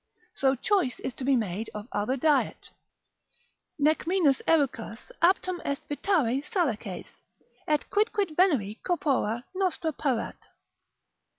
So choice is to be made of other diet. Nec minus erucas aptum est vitare salaces, Et quicquid veneri corpora nostra parat.